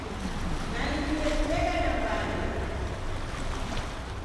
Naliw'ie kudeka na mbande!